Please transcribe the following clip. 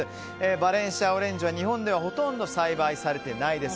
バレンシアオレンジは日本ではほとんど栽培されていないです。